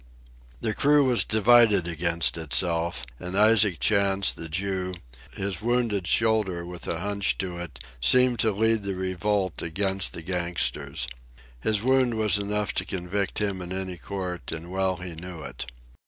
The crew was divided against itself; and Isaac Chantz, the Jew, his wounded shoulder with a hunch to it, seemed to lead the revolt against the gangsters. His wound was enough to convict him in any court, and well he knew it.